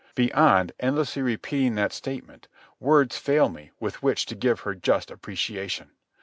Beyond endlessly repeating that statement, words fail me, with which to give her just appreciation.